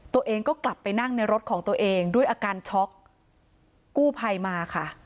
ตัวเองก็กลับไปนั่งในรถของตัวเองด้วยอาการช็อกกู้ภัยมาค่ะ